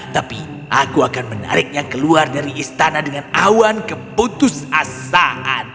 tapi aku akan menariknya keluar dari istana dengan awan keputus asaan